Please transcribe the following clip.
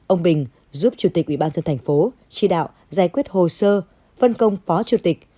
ông bình giúp chủ tịch ubnd tp hcm trì đạo giải quyết hồ sơ phân công phó chủ tịch